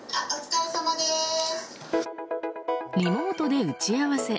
リモートで打ち合わせ。